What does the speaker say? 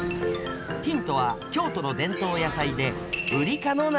ヒントは京都の伝統野菜でウリ科の夏野菜。